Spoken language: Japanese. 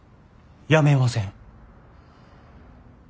辞めません。